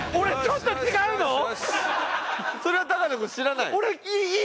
それは高野君知らない？